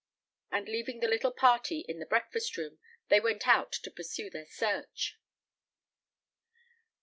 And leaving the little party in the breakfast room, they went out to pursue their search.